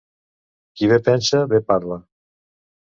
Qui bé pensa, bé parla.